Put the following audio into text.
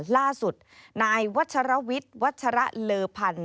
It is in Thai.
ล่าสุดนายวัชรวิทย์วัชระเลอพันธ์